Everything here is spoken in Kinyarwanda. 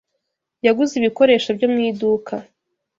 Yaguze ibikoresho byo mu iduka.